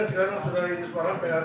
maka perlu arti pemerintah yang lebih dapat